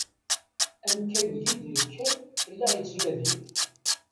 Amkan deg i d-nekker, fell-aɣ yettnadi.